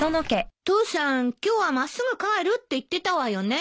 父さん今日は真っすぐ帰るって言ってたわよね。